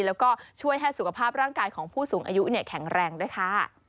แล้วก็ช่วยให้สุขภาพร่างกายของผู้สูงอายุแข็งแรงด้วยค่ะ